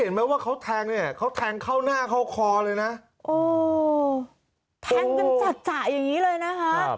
โอ๊ยแทงกันจาอย่างงี้เลยนะคะ